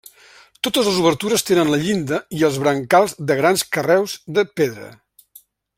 Totes les obertures tenen la llinda i els brancals de grans carreus de pedra.